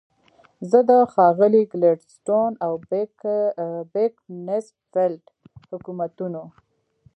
زه د ښاغلي ګلیډستون او بیکنزفیلډ حکومتونو.